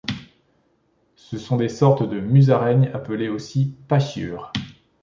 Ce sont des sortes de musaraignes appelées aussi Pachyures.